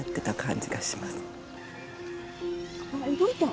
あ動いた。